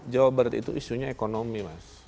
jawa barat itu isunya ekonomi mas